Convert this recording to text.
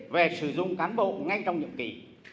về sử dụng cán bộ ngay trong nhiệm kỳ